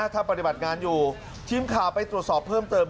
ถ้าปฏิบัติงานอยู่ทีมข่าวไปตรวจสอบเพิ่มเติม